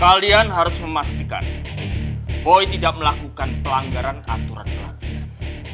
kalian harus memastikan boy tidak melakukan pelanggaran aturan pelatihan